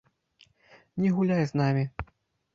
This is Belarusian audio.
Не гуляй з намі!